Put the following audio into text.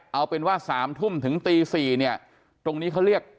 เอาเป็นว่า๓ทุ่มถึงตี๔เนี่ยตรงนี้เขาเรียก